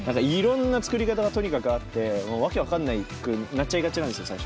いろんな作り方がとにかくあって訳分かんなくなっちゃいがちなんですよ